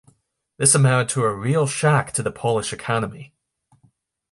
This amounted to a real shock to the Polish economy.